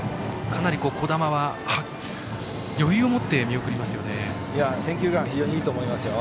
かなり樹神は余裕を持って見送りますね。